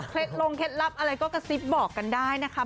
ลงเคล็ดลับอะไรก็กระซิบบอกกันได้นะคะ